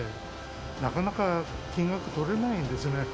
なかなか金額取れないですね。